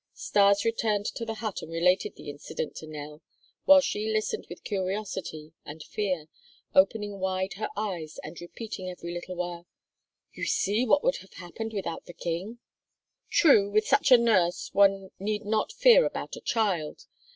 Stas returned to the hut and related the incident to Nell, while she listened with curiosity and fear, opening wide her eyes and repeating every little while: "You see what would have happened without the King." "True! With such a nurse one need not fear about a child.